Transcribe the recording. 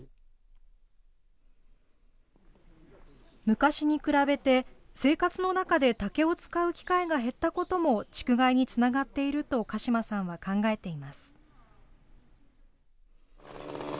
昔に比べて、生活の中で竹を使う機会が減ったことも竹害につながっていると鹿嶋さんは考えています。